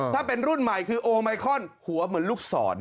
ถ้าเป็นรุ่นใหม่คือโอไมคอนหัวเหมือนลูกศร